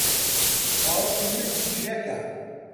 باوکی من زیرەکە.